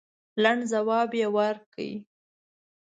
لنډ جواب یې ورکړ.